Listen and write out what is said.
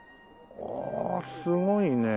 ああすごいね。